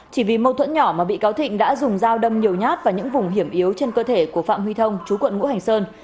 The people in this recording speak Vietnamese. chỉ vì mâu thuẫn nhỏ mà bị cáo thịnh đã dùng dao đâm nhiều nhát vào những vùng hiểm yếu trên cơ thể của phạm huy thông chú quận ngũ hành sơn